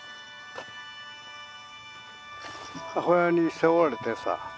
母親に背負われてさ